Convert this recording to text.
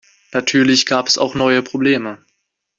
Natürlich gab es auch neue Probleme.